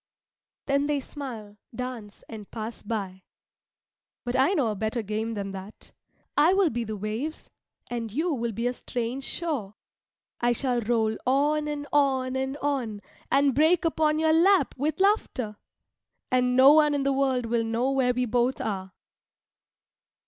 Then they smile, dance and pass by. But I know a better game than that. I will be the waves and you will be a strange shore. I shall roll on and on and on, and break upon your lap with laughter. And no one in the world will know where we both are.